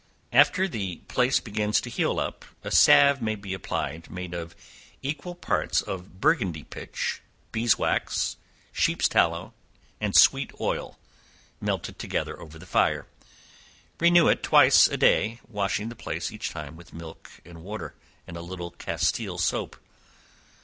After the place begins to heal up, a salve may be applied, made of equal parts of Burgundy pitch, beeswax, sheep's tallow, and sweet oil, melted together over the fire; renew it twice a day, washing the place each time with milk and water, and a little castile soap.